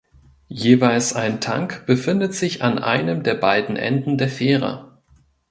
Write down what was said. Jeweils ein Tank befindet sich an einem der beiden Enden der Fähre.